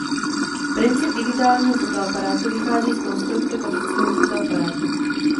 Princip digitálního fotoaparátu vychází z konstrukce klasického fotoaparátu.